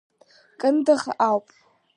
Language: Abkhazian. Кындыӷ ауп…